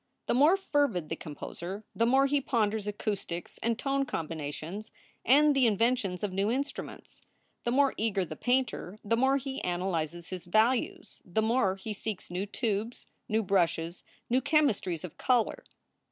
The more fervid the composer the more he ponders acoustics and tone combina tions and the inventions of new instruments. The more eager the painter the more he analyzes his values, the more he seeks new tubes, new brushes, new chemistries of cclor.